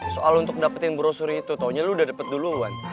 soal untuk dapetin brosuri itu taunya lu udah dapet duluan